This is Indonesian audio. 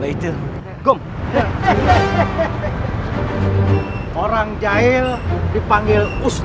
beli telurnya selagi loh